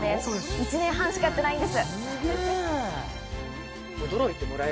１年半しかやっていないんです。